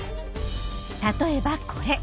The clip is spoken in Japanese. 例えばこれ。